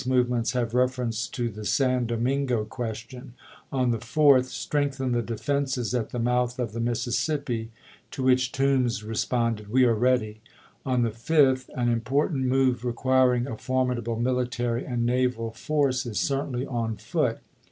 movements have reference to the San Domingo Tbid., question." On the 4th :" Strengthen the defenses April4,1861. ^® M^ at the mouth of the Mississippi "; to which Toombs the Com respoudcd, "We are ready." On the 5th: "An ApriHisei. important move requiring a formidable military The Com and naval force is certainly on foot.